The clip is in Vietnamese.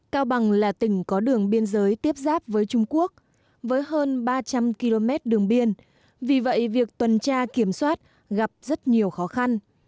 cao bằng là tỉnh có đường biên giới tiếp giáp với trung quốc với hơn ba trăm linh km đường biên vì vậy việc tuần tra kiểm soát gặp rất nhiều khó khăn